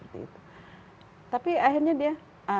tapi akhirnya dia